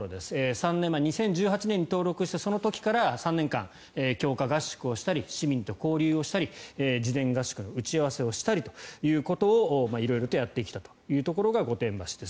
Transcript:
３年前、２０１８年に登録したその時から３年間強化合宿をしたり市民と交流をしたり事前合宿の打ち合わせをしたりということを色々とやってきたところが御殿場市です。